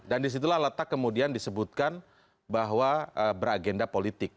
dan di situlah letak kemudian disebutkan bahwa beragenda politik